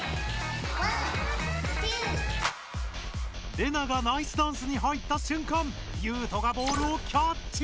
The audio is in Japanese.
レナがナイスダンスに入ったしゅんかんユウトがボールをキャッチ！